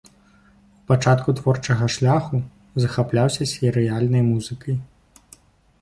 У пачатку творчага шляху захапляўся серыяльнай музыкай.